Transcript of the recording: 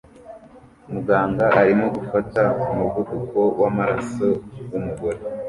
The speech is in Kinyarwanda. Muganga arimo gufata umuvuduko wamaraso wumugore